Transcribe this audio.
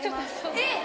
・えっ！